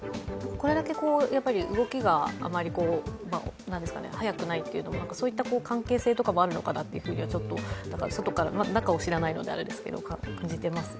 これだけ動きがあまり早くないというのもそういった関係性とかもあるのかなとちょっと外から中を知らないのであれですけど、感じていますね。